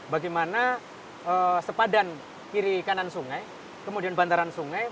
bagaimana sepadan kiri kanan sungai kemudian bantaran sungai